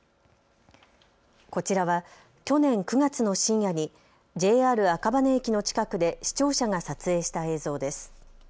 こちらは去年９月の深夜にＪＲ赤羽駅の近くで視聴者が撮影した映像です。